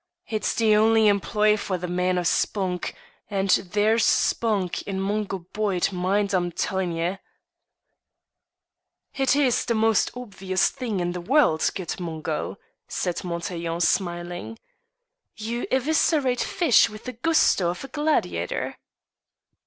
It's the only employ for a man o' spunk, and there's spunk in Mungo Boyd, mind I'm tellin' ye!" "It is the most obvious thing in the world, good Mungo," said Montaiglon, smiling. "You eviscerate fish with the gusto of a gladiator."